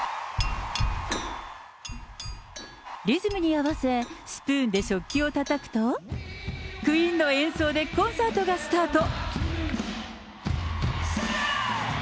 リズムに合わせ、スプーンで食器をたたくと、クイーンの演奏でコンサートがスタート。